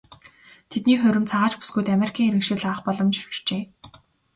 Тэдний хурим цагаач бүсгүйд Америкийн иргэншил авах боломж авчирчээ.